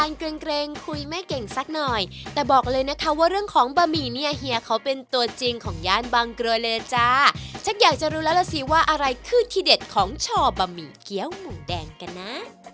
เรงคุยไม่เก่งสักหน่อยแต่บอกเลยนะคะว่าเรื่องของบะหมี่เนี้ยเฮียเขาเป็นตัวจริงของย่านบังกรัวเลยจ้าชักอยากจะรู้แล้วล่ะสิว่าอะไรคือที่เด็ดของชอบะหมี่เกี้ยวหมูแดงกันนะ